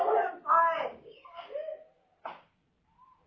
กูไม่กล่าว